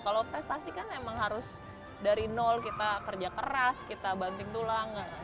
kalau prestasi kan emang harus dari nol kita kerja keras kita banting tulang